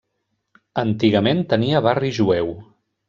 Antigament tenia barri jueu.